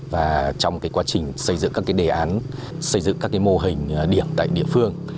và trong quá trình xây dựng các đề án xây dựng các mô hình điểm tại địa phương